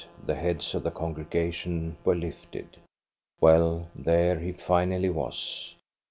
The heads of the congfregation were lifted. Well, there he finally was.